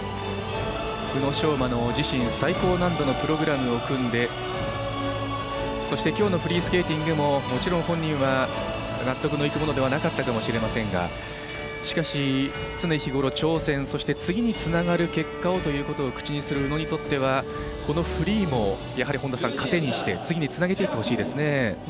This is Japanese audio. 宇野昌磨の自身最高難度のプログラムを組んでそして、きょうのフリースケーティングでももちろん本人は納得のいくものではなかったかもしれませんがしかし、常日頃挑戦、そして次につながる結果をということを口にする宇野にとってはこのフリーもやはり糧にして次につなげていってほしいですね。